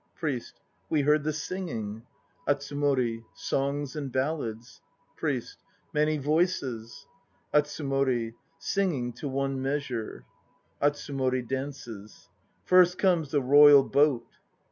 PRIEST. We heard the singing ... ATSUMORI. Songs and ballads ... PRIEST. Many voices ATSUMORI. Singing to one measure. (ATSUMORI dances.) I irst comes the Royal Boat.